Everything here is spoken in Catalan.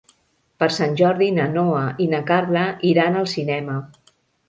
Per Sant Jordi na Noa i na Carla iran al cinema.